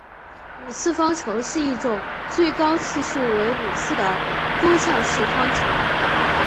五次方程是一种最高次数为五次的多项式方程。